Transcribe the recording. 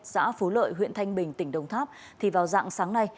xã phú lợi huyện thanh bình tỉnh đồng tháp thì vào dạng sáng nay